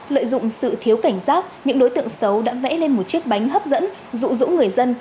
lợi dụng sự thiếu cảnh giác những đối tượng xấu đã vẽ lên một chiếc bánh hấp dẫn dụ dỗ người dân